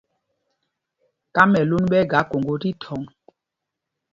Kamɛlûn ɓɛ́ ɛ́ ga Koŋgō tí ɛla thɔ̂ŋ.